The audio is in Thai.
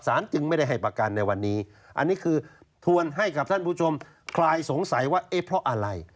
จึงไม่ได้ให้ประกันในวันนี้อันนี้คือทวนให้กับท่านผู้ชมคลายสงสัยว่าเอ๊ะเพราะอะไร